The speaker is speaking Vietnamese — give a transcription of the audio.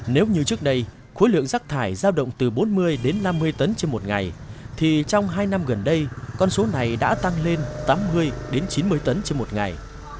nếu như trước đây khối lượng rác thải giao động từ bốn mươi đến năm mươi tấn trên một ngày thì trong hai năm gần đây con số này đã tăng lên tám mươi chín mươi tấn trên một ngày